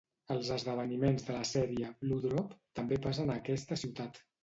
Els esdeveniments de la sèrie "Blue Drop" també passen a aquesta ciutat.